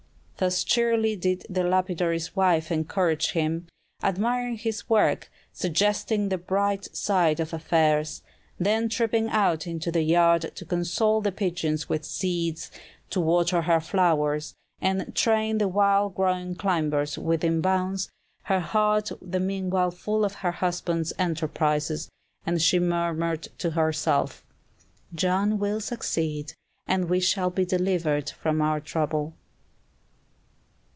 Thus cheerily did the lapidary's wife encourage him, admiring his work, suggesting the bright side of affairs, then tripping out into the yard to console the pigeons with seeds, to water her flowers, and train the wild growing climbers within bounds, her heart the meanwhile full of her husband's enterprise; and she murmured to herself, "John will succeed, and we shall be delivered from our trouble."